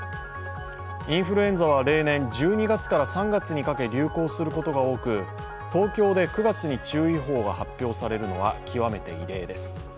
インフルエンザは例年、１２月から３月にかけ流行することが多く東京で９月に注意報が発表されるのは極めて異例です。